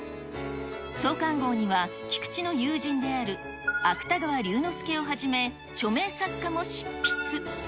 創刊号には菊池の友人である芥川龍之介をはじめ、著名作家も執筆。